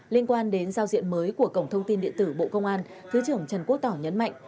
liên quan đến giao diện mới của cổng thông tin điện tử bộ công an thứ trưởng trần quốc tỏ nhấn mạnh